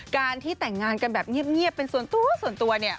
การที่แต่งงานกันแบบเงียบเป็นส่วนตัวส่วนตัวเนี่ย